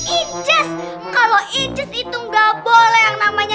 ijis kalau ijis itu nggak boleh yang namanya